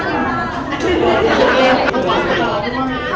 ขอบคุณค่ะพี่โฟสขอบคุณค่ะ